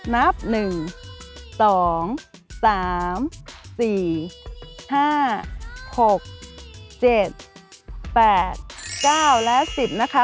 นับ๑๒๓๔๕๖๗๘๙และ๑๐นะคะ